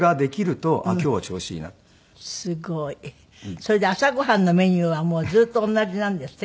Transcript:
それで朝ご飯のメニューはもうずっと同じなんですって？